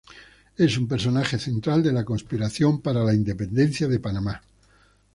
Es un personaje central de la conspiración para la independencia de Panamá.